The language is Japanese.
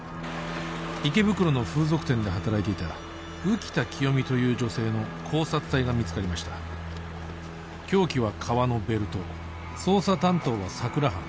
池袋の風俗店で働いていた浮田清美という女性の絞殺体が見つかりました凶器は革のベルト捜査担当は佐久良班